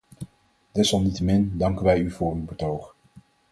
Desalniettemin danken wij u voor uw betoog.